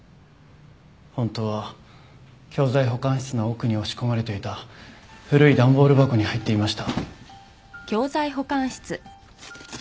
本当は教材保管室の奥に押し込まれていた古い段ボール箱に入っていました。